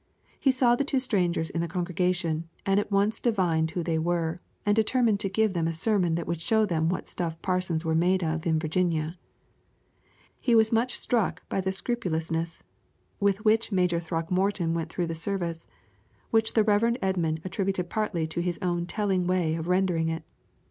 He saw the two strangers in the congregation, and at once divined who they were, and determined to give them a sermon that would show them what stuff parsons were made of in Virginia. He was much struck by the scrupulousness with which Major Throckmorton went through the service, which the Rev. Edmund attributed partly to his own telling way of rendering it.